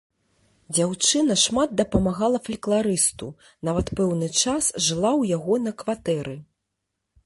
Дзяўчына шмат дапамагала фалькларысту, нават пэўны час жыла ў яго на кватэры.